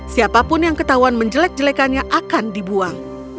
siapapun yang ketahuan menjelek jelekannya akan dibuang